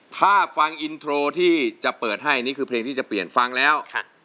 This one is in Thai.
ถ้าฟังอินโทรที่จะเปิดให้นี่คือเพลงที่จะเปลี่ยนฟังแล้ว